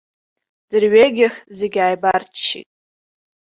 Дырҩегьых зегь ааибарччеит.